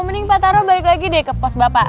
mending pak taruh balik lagi deh ke pos bapak